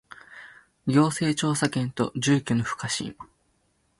行政調査権と住居の不可侵